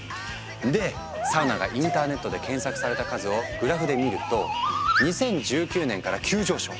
でサウナがインターネットで検索された数をグラフで見ると２０１９年から急上昇。